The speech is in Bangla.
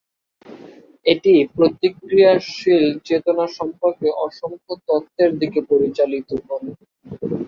এটি প্রতিক্রিয়াশীল চেতনা সম্পর্কে অসংখ্য তত্ত্বের দিকে পরিচালিত করে।